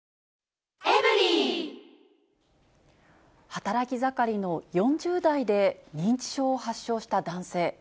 働き盛りの４０代で認知症を発症した男性。